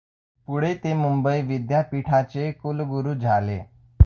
पुढे ते मुंबई विद्यापीठाचे कुलगुरू झाले.